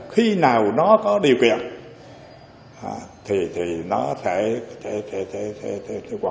khi nào nó có điều kiện thì nó sẽ hoạt động mạnh hơn lớn hơn